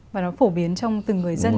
và nó phổ biến trong từng người dân